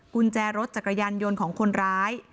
กุญแจรถจักรยานยนต์ของคนร้าย